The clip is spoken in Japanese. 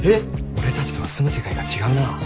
俺たちとは住む世界が違うな。